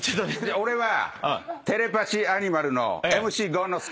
俺はテレパシーアニマルのＭＣごんのすけ。